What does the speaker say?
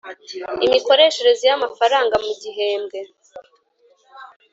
imikoreshereje y’amafaranga mu gihembwe;